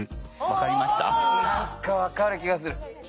何か分かる気がする。